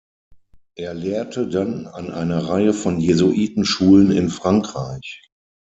Er lehrte dann an einer Reihe von Jesuiten-Schulen in Frankreich.